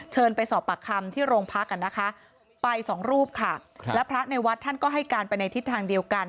เชิญไปสอบปากคำที่โรงพักกันนะคะไปสองรูปค่ะครับแล้วพระในวัดท่านก็ให้การไปในทิศทางเดียวกัน